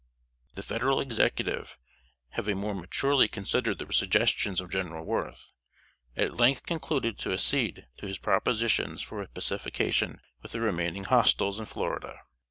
The Federal Executive, having more maturely considered the suggestions of General Worth, at length concluded to accede to his propositions for a pacification with the remaining hostiles in Florida.